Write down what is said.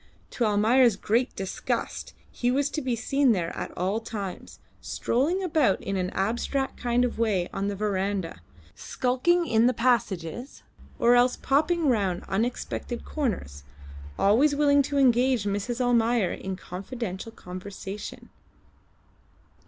To Almayer's great disgust he was to be seen there at all times, strolling about in an abstracted kind of way on the verandah, skulking in the passages, or else popping round unexpected corners, always willing to engage Mrs. Almayer in confidential conversation.